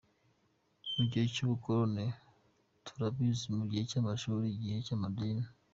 Mu gihe cy’ubukoloni, turabizi, mu gihe cy’amashuri, igihe cy’amadini.